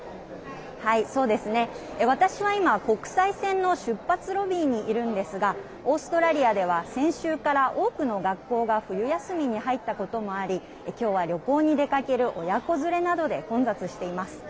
私は今、国際線の出発ロビーにいるんですがオーストラリアでは先週から多くの学校が冬休みに入ったこともありきょうは、旅行に出かける親子連れなどで混雑しています。